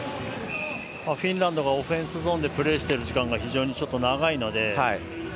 フィンランドがオフェンスゾーンでプレーしている時間が非常に長いので。